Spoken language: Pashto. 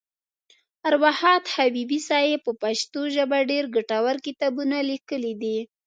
اروا ښاد حبیبي صاحب په پښتو ژبه ډېر ګټور کتابونه لیکلي دي.